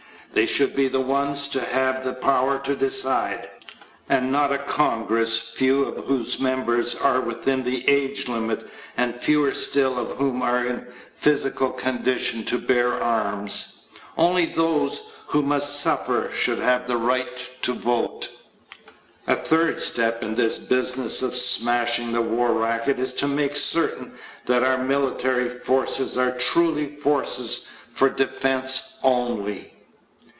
They should be the ones to have the power to decide and not a Congress few of whose members are within the age limit and fewer still of whom are in physical condition to bear arms. Only those who must suffer should have the right to vote. A third step in this business of smashing the war racket is to make certain that our military forces are truly forces for defense only.